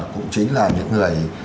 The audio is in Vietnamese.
cũng chính là những người